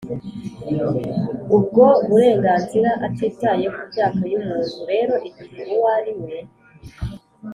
ubwo burenganzira atitaye ku myaka y'umuntu. rero igihe uwo ariwe